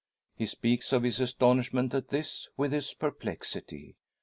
He speaks of his astonishment at this, with his perplexity.